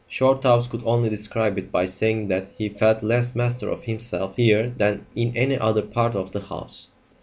Shorthouse could only describe it by saying that he felt less master of himself here than in any other part of the house.